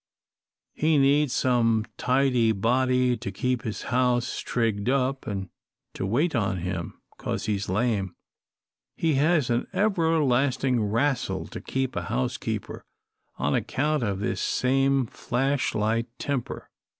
He needs some tidy body to keep his house trigged up, and to wait on him, 'cause he's lame. He has an everlasting wrastle to keep a housekeeper on account of this same flash light temper.